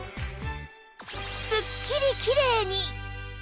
すっきりきれいに